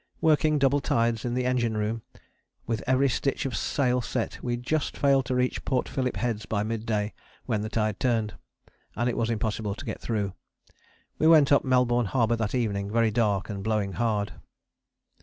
Working double tides in the engine room, and with every stitch of sail set, we just failed to reach Port Phillip Heads by mid day, when the tide turned, and it was impossible to get through. We went up Melbourne Harbour that evening, very dark and blowing hard.